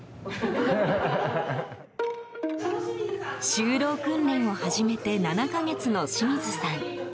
就労訓練を始めて７か月の清水さん。